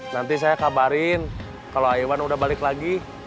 nanti saya kabarin kalau iwan udah balik lagi